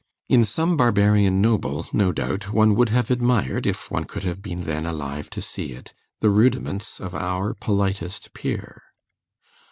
In some Barbarian noble, no doubt, one would have admired, if one could have been then alive to see it, the rudiments of our politest peer.